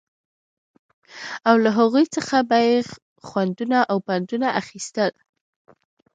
او له هغو څخه به يې خوندونه او پندونه اخيستل